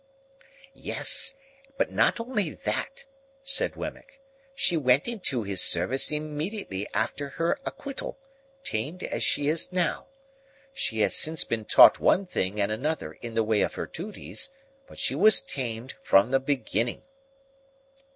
"Yes; but not only that," said Wemmick, "she went into his service immediately after her acquittal, tamed as she is now. She has since been taught one thing and another in the way of her duties, but she was tamed from the beginning."